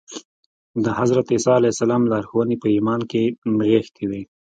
د حضرت عيسی عليه السلام لارښوونې په ايمان کې نغښتې وې.